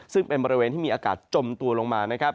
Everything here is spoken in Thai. ซึ่งเป็นบริเวณที่มีอากาศจมตัวลงมานะครับ